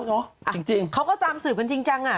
อ่ะเจ๊นจริงเขาก็ตามสืบกันจริงอ่า